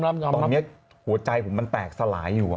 ตอนนี้หัวใจผมมันแตกสลายอยู่